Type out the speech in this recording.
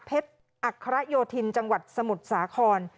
อัคระโยธินจังหวัดสมุทรสาคร